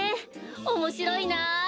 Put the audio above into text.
おもしろいな。